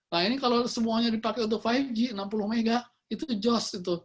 nah ini kalau semuanya dipakai untuk lima g enam puluh m itu jos itu